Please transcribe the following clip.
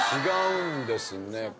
違うんですね。